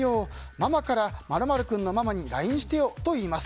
ママから○○君のママにＬＩＮＥしてよと言います。